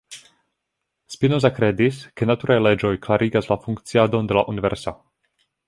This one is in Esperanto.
Spinoza kredis ke naturaj leĝoj klarigas la funkciadon de la universo.